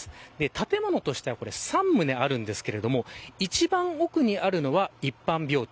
建物としては３棟あるんですが一番奥にあるのが一般病棟。